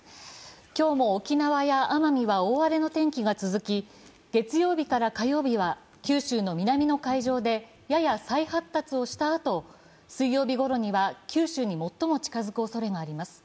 今日も沖縄や奄美は大荒れの天気が続き、月曜日から火曜日は九州の南の海上でやや再発達をしたあと水曜日ごろには九州に最も近づくおそれがあります。